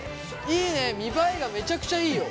いいね見栄えがめちゃくちゃいいよ。